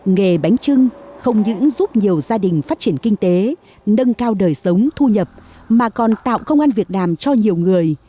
nghề bánh chưng không những giúp nhiều gia đình phát triển kinh tế nâng cao đời sống thu nhập mà còn tạo công an việt nam cho nhiều người